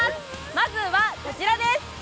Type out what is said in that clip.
まずは、こちらです